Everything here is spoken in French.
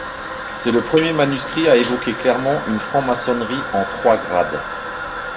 C'est le premier manuscrit à évoquer clairement une franc-maçonnerie en trois grades.